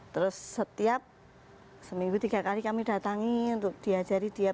terus setiap seminggu tiga kali kami datangi untuk diajari dia